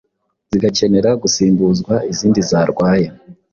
zigakenera gusimbuzwa izindi zarwaye.